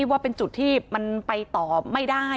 ว่าเป็นจุดที่มันไปต่อไม่ได้